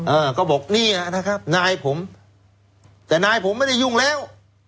เออก็บอกเนี่ยนะครับนายผมแต่นายผมไม่ได้ยุ่งแล้ว